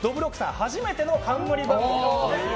初めての冠番組です。